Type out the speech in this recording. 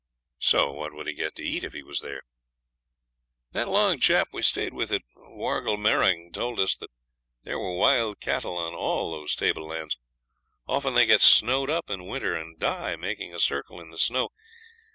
'What would he get to eat if he was there?' 'That long chap we stayed with at Wargulmerang told us that there were wild cattle on all those tablelands. Often they get snowed up in winter and die, making a circle in the snow.